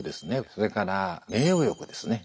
それから名誉欲ですね。